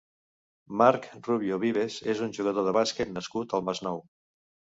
Marc Rubio Vives és un jugador de bàsquet nascut al Masnou.